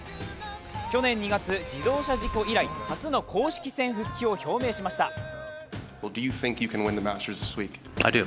去年２月、自動車事故以来初の公式戦復帰を表明しました。